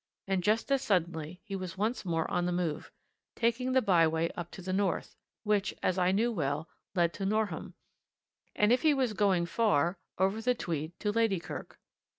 And just as suddenly he was once more on the move, taking the by way up to the north, which, as I knew well, led to Norham, and if he was going far over the Tweed to Ladykirk.